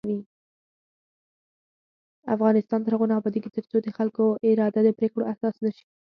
افغانستان تر هغو نه ابادیږي، ترڅو د خلکو اراده د پریکړو اساس نشي.